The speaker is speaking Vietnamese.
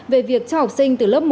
về việc cho học sinh từ lớp một